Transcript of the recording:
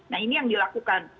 nah ini yang dilakukan